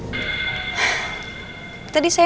aku mau ke jendela saya